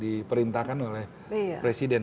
diperintahkan oleh presiden